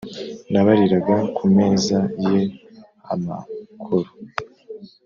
n’abariraga ku meza ye amakoro,